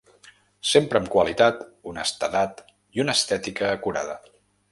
Sempre amb qualitat, honestedat i una estètica acurada.